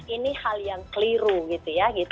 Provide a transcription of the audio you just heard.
ini hal yang keliru gitu ya